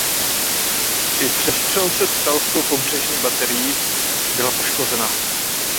Při přestřelce s italskou pobřežní baterií byla poškozena.